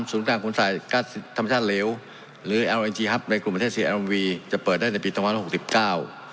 สูงกลางกุญสัยการธรรมชาติเหลวหรือในกลุ่มประเทศเซียร์จะเปิดได้ในปีทำวันหกสิบเก้า